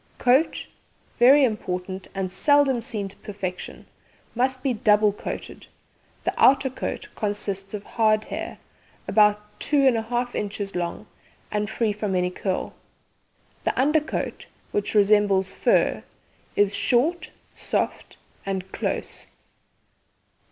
COAT Very important, and seldom seen to perfection; must be double coated. The outer coat consists of hard hair, about 2 1/2 inches long, and free from any curl. The under coat, which resembles fur, is short, soft, and close.